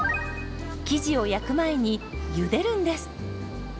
生地を焼く前にゆでるんです。